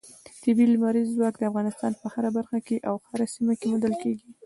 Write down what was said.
طبیعي لمریز ځواک د افغانستان په هره برخه او هره سیمه کې موندل کېږي.